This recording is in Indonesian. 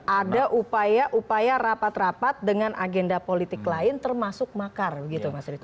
ada upaya upaya rapat rapat dengan agenda politik lain termasuk makar begitu mas riko